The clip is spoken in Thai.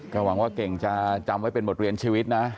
ก็หวังว่าเก่งจะจำไว้เป็นบทเรียนชีวิตนะ